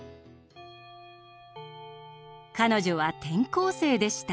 彼女は転校生でした。